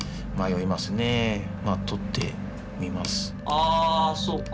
あそうか。